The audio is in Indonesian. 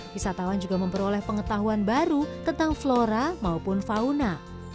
wisatawan juga memperoleh pengetahuan baru tentang flora maupun fauna